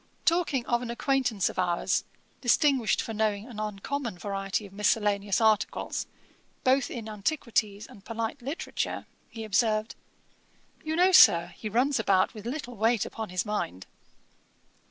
Talking of an acquaintance of ours, distinguished for knowing an uncommon variety of miscellaneous articles both in antiquities and polite literature, he observed, 'You know, Sir, he runs about with little weight upon his mind.'